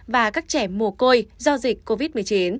và các trẻ mồ côi do dịch covid một mươi chín